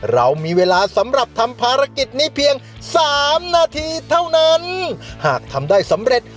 เรามีเวลาสำหรับทำภารกิจนี้เพียงสามนาทีเท่านั้นหากทำได้สำเร็จ